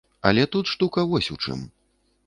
Але тут штука вось у чым.